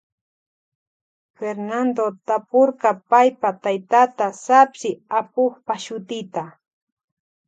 Fernando tapurka paypa taytata sapsi apukpa shutita.